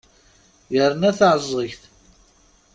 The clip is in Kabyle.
Yerna taεẓegt!